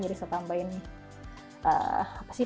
jadi saya tambahin apa sih